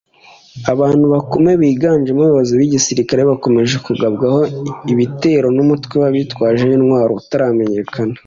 abantu bakomeye biganjemo abayobozi b’igisirikare bakomeje kugabwaho ibitero n’umutwe w’abitwaje intwaro utaramenyekana